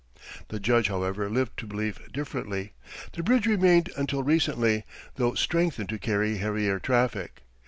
] The Judge, however, lived to believe differently. The bridge remained until recently, though strengthened to carry heavier traffic.